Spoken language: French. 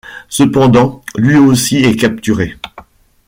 Cependant, lui aussi est capturé.